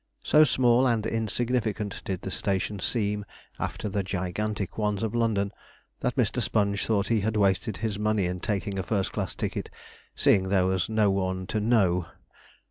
So small and insignificant did the station seem after the gigantic ones of London, that Mr. Sponge thought he had wasted his money in taking a first class ticket, seeing there was no one to know.